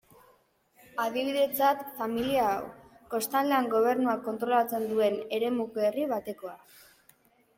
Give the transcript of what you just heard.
Adibidetzat, familia hau, kostaldean gobernuak kontrolatzen duen eremuko herri batekoa.